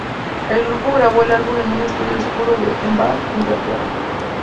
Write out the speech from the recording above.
El grupo grabó el álbum en un estudio oscuro en Bath, Inglaterra.